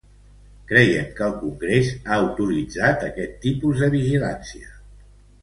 Creiem que el Congrés ha autoritzat aquest tipus de vigilància.